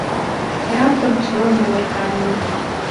І раптам цудоўнае вяртанне.